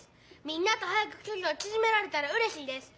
みんなとはやくきょりをちぢめられたらうれしいです。